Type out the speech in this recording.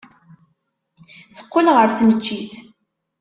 Teqqel ɣer tneččit.